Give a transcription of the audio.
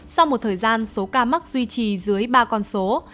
sau một thời gian số ca mắc duy trì dưới ba con số